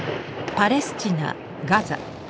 パレスチナガザ。